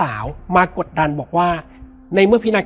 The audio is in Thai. แล้วสักครั้งหนึ่งเขารู้สึกอึดอัดที่หน้าอก